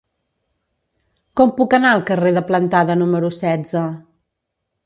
Com puc anar al carrer de Plantada número setze?